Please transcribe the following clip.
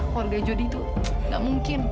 keluarga jody itu gak mungkin